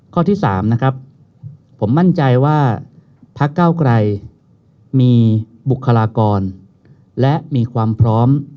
ข้อที่๓นะครับผมมั่นใจว่าพักเก้าไกรมีบุคลากรและมีความพร้อม